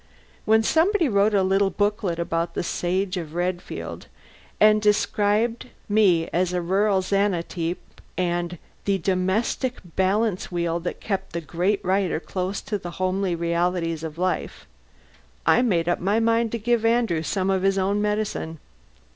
When somebody wrote a little booklet about "The Sage of Redfield" and described me as a "rural Xantippe" and "the domestic balance wheel that kept the great writer close to the homely realities of life" I made up my mind to give Andrew some of his own medicine.